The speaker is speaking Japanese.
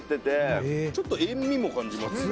「ちょっと塩味も感じます」